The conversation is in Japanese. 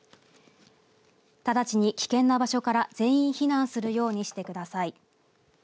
直ちに危険な場所から全員避難するようにしてください。